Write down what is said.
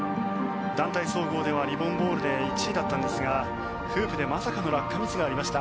団体総合ではリボン・ボールで１位だったんですがフープでまさかの落下ミスがありました。